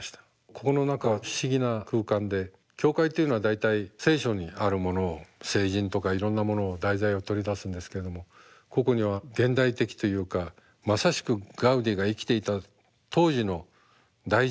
ここの中は不思議な空間で教会というのは大体「聖書」にあるものを聖人とかいろんなものを題材を取り出すんですけどもここには現代的というかまさしくガウディが生きていた当時の大事件が組み込まれてるんです。